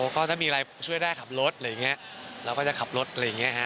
ก็ถ้ามีอะไรช่วยได้ขับรถอะไรอย่างนี้เราก็จะขับรถอะไรอย่างนี้ฮะ